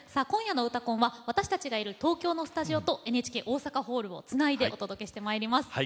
今夜の「うたコン」は私たちがいる東京のスタジオとＮＨＫ大阪ホールをつないでお届けしてまいります。